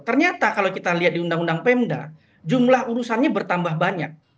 ternyata kalau kita lihat di undang undang pemda jumlah urusannya bertambah banyak